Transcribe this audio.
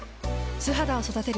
素肌を育てる。